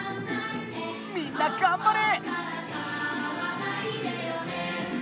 みんながんばれ！